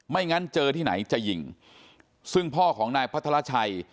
ไม่งั้นเจอที่ไหนจะหญิงซึ่งพ่อของนายพระธราชัย